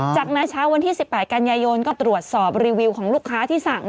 จากนั้นเช้าวันที่๑๘กันยายนก็ตรวจสอบรีวิวของลูกค้าที่สั่ง